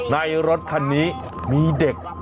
รถคันนี้มีเด็ก